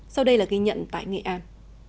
sau đây là ghi nhận tại nghệ an